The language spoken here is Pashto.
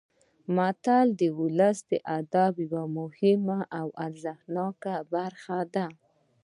متل د ولسي ادب یوه مهمه او ارزښتناکه برخه ده